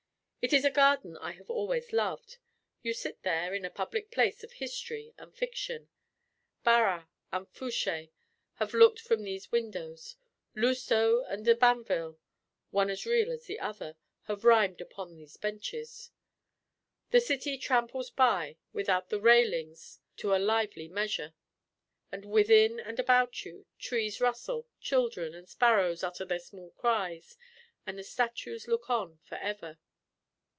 It is a garden I have always loved. You sit there in a public place of history and fiction. Barras and Fouche have looked from these windows. Lousteau and de Banville (one as real as the other) have rhymed upon these benches. The city tramples by without the railings to a lively measure; and within and about you, trees rustle, children and sparrows utter their small cries, and the statues look on forever.